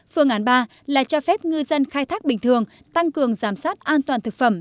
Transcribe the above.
phương án ba là cho phép ngư dân khai thác bình thường tăng cường giám sát an toàn thực phẩm